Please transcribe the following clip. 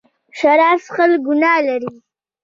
شراب څښل ګناه لري.